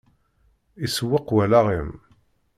Isewweq wallaɣ-im.